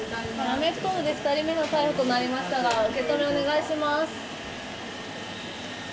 アメフト部で２人目の逮捕となりましたが、受け止めお願いします。